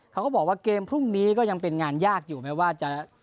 เขาก็บอกว่าเกมพรุ่งนี้ก็ยังเป็นงานยากอยู่แม้ว่าจะ